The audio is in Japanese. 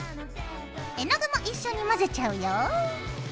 絵の具も一緒に混ぜちゃうよ。